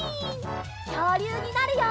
きょうりゅうになるよ！